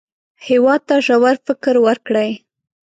هېواد ته ژور فکر ورکړئ